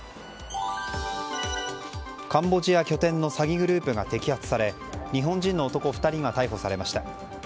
カンボジア拠点の詐欺グループが摘発され、日本人の男２人が逮捕されました。